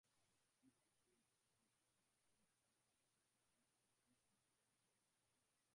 hadi kusini upande wa magharibiMito Mto mkubwa wa Marekani ni Mto